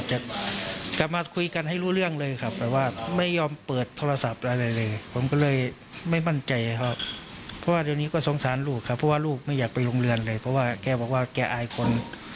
จะออกโรงเรียนไปหางานทำดีกว่าอายคน